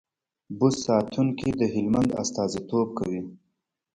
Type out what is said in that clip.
بست ساتونکي د هلمند استازیتوب کوي.